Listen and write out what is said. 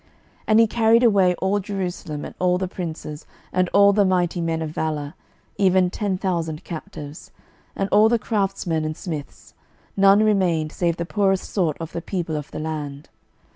12:024:014 And he carried away all Jerusalem, and all the princes, and all the mighty men of valour, even ten thousand captives, and all the craftsmen and smiths: none remained, save the poorest sort of the people of the land.